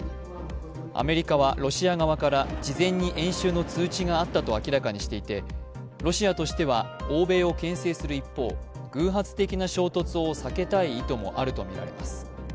アメリカはロシア側から事前に演習の通知があったと明らかにしていて、ロシアとしては、欧米をけん制する一方、偶発的な衝突を避けたい意図もあるとみられます。